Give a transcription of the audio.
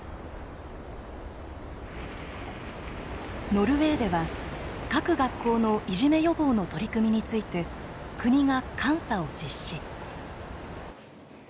ノルウェーでは各学校のいじめ予防の取り組みについて国が監査を実施。